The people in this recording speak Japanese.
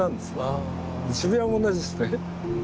渋谷も同じですね。